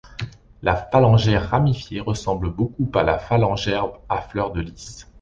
La phalangère ramifiée ressemble beaucoup à la phalangère à fleurs de lis.